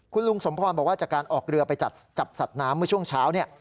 คุณลุงสมพรบอกว่าจากการออกเรือไปจับสัตว์น้ำเมื่อช่วงเช้าเนี่ย